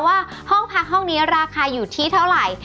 ว่าห้องพักห้องนี้ราคาอยู่ที่เท่าไหร่